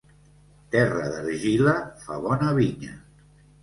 Terra d'argila fa bona vinya.